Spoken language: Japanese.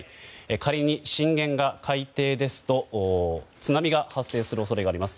仮に震源が海底ですと津波が発生する恐れがあります。